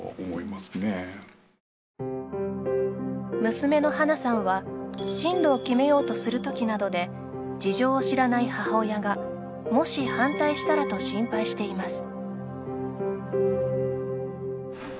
娘の華さんは進路を決めようとするときなどで事情を知らない母親がもし反対したらと心配しています。